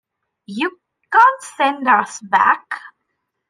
You can't send us back.